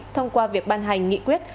thông qua việc ban hành nghị quyết